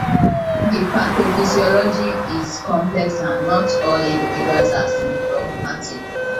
The pathophysiology is complex and not all individuals are symptomatic.